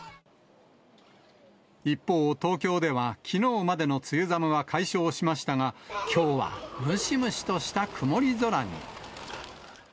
一方、東京ではきのうまでの梅雨寒は解消しましたが、きょうはムシムシとした曇り空に。